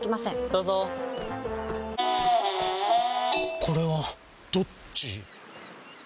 どうぞこれはどっち？